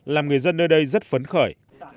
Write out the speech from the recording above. làm người dân nơi đây rất phấn khởi